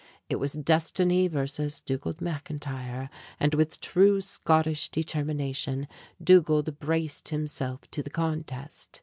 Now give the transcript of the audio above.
It was Destiny versus Dugald McIntyre, and with true Scottish determination Dugald braced himself to the contest.